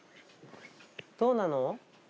どうなの？